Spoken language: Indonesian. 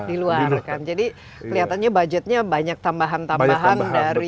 di luar kan jadi kelihatannya budgetnya banyak tambahan tambahan dari